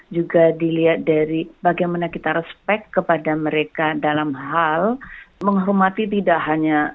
juga dilihat dari bagaimana kita respect kepada mereka dalam hal menghormati tidak hanya